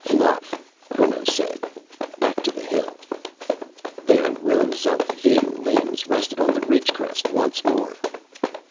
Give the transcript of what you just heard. "Enough," Creno said, "back to the hill." Their rows of thin limbs rested on the ridge crest once more.